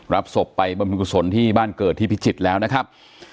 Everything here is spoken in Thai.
รับศพไปบรรพิกุศลที่บ้านเกิดที่พิจิตรแล้วนะครับ